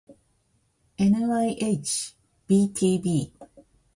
ｎｙｈｂｔｂ